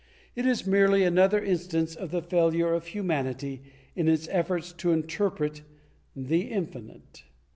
It is merely another instance of the failure of humanity in its efforts to interpret the Infinite.